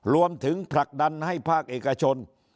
รวมถึงผลักดันให้ภาคเอกชน